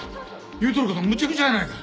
言うとる事むちゃくちゃやないか。